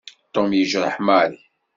Tom yejreḥ Mary.